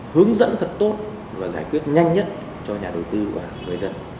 hướng dẫn thật tốt và giải quyết nhanh nhất cho nhà đầu tư và người dân